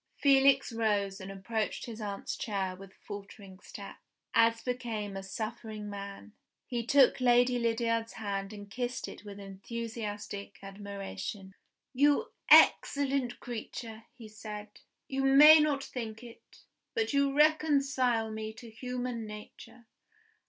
Felix rose and approached his aunt's chair with faltering steps, as became a suffering man. He took Lady Lydiard's hand and kissed it with enthusiastic admiration. "You excellent creature!" he said. "You may not think it, but you reconcile me to human nature.